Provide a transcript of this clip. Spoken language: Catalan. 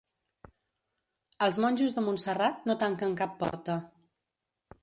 Els monjos de Montserrat no tanquen cap porta.